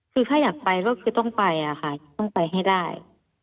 คือถ้าอยากไปก็คือต้องไปอะค่ะต้องไปให้ได้